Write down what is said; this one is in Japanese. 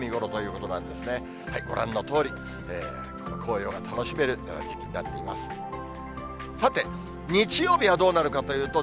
ご覧のとおり紅葉が楽しめる日になっています。